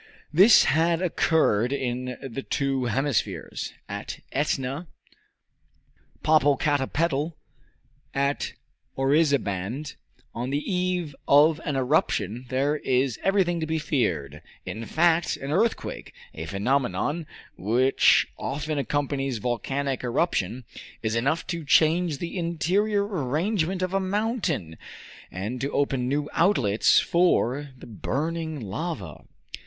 This had occurred in the two hemispheres at Etna, Popocatepetl, at Orizabaand on the eve of an eruption there is everything to be feared. In fact, an earthquake a phenomenon which often accompanies volcanic eruption is enough to change the interior arrangement of a mountain, and to open new outlets for the burning lava.